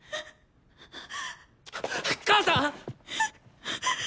母さん！